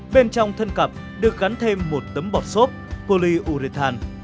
bên trong thân cặp được gắn thêm một tấm bọt xốp polyurethane